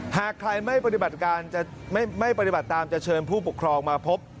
หากใครไม่ปฏิบัติการจะไม่ปฏิบัติตามจะเชิญผู้ปกครองมาพบ